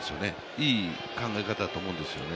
いい考え方だと思うんですよね。